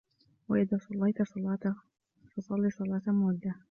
وَإِذَا صَلَّيْت صَلَاةً فَصَلِّ صَلَاةَ مُوَدِّعٍ